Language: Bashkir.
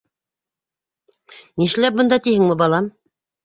Нишләп бында, тиһеңме, балам?